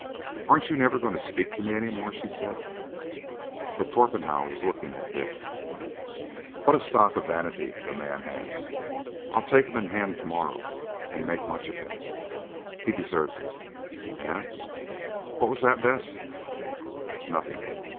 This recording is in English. "Aren't you never going to speak to me any more?" she said; but Torpenhow was looking at Dick. "What a stock of vanity the man has! I'll take him in hand to morrow and make much of him. He deserves it.—Eh! what was that, Bess?" "Nothing.